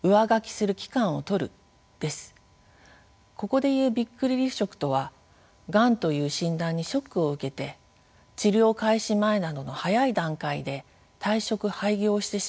ここで言うびっくり離職とはがんという診断にショックを受けて治療開始前などの早い段階で退職・廃業してしまうことを指します。